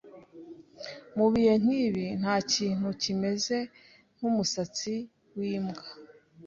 Mubihe nkibi, ntakintu kimeze nkumusatsi wimbwa.